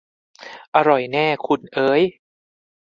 "อร่อยแน่ คุณเอ๊ย !"